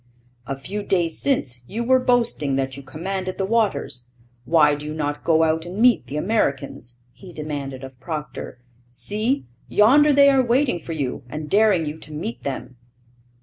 'A few days since you were boasting that you commanded the waters; why do you not go out and meet the Americans?' he demanded of Procter. 'See, yonder they are waiting for you and daring you to meet them.'